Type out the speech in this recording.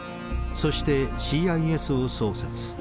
そしてＣＩＳを創設。